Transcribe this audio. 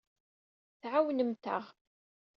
Tɛawnemt-aɣ.